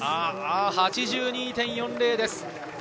８２．４０です。